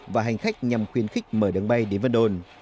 và hành khách nhằm khuyến khích mở đường bay đến vân đồn